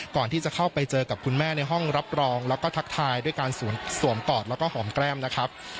ก่อนที่จะเข้าไปเจอกับคุณแม่ในห้องรับรองแล้วก็ทักทายด้วยการสวมกอดแล้วก็หอมแก้มนะครับ